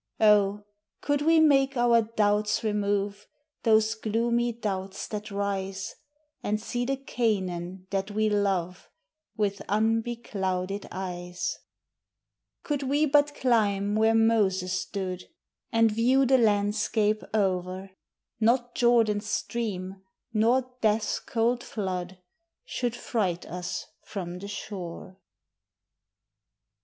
Oh ! could we make our doubts remove, Those gloomy doubts that rise, And see the Canaan that we love With unbeclouded eyes — 414 THE HIGHER LIFE. Could we but climb where Moses stood, And view the landscape o'er, Not Jordan's stream, nor death's cold flood, Should fright us from the shore.